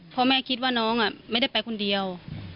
เพราะแม่คิดว่าน้องไม่ได้ไปคนเดียว